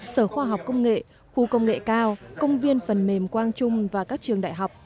sở khoa học công nghệ khu công nghệ cao công viên phần mềm quang trung và các trường đại học